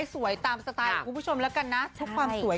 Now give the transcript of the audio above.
สวัสดีครับ